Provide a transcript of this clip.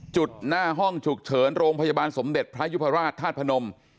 หน้าห้องฉุกเฉินโรงพยาบาลสมเด็จพระยุพราชธาตุพนม